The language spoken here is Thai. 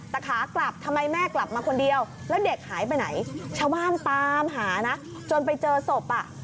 แต่ขากลับทำไมแม่กลับมาคนเดียวแล้วเด็กหายไปไหนชาวบ้านตามหานะจนไปเจอศพอ่ะ